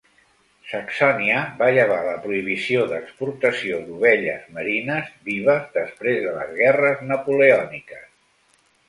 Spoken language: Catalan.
Saxònia va llevar la prohibició d'exportació d'ovelles merines vives després de les guerres napoleòniques.